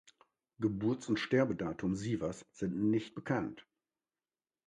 Geburts- und Sterbedatum Sievers' sind nicht bekannt.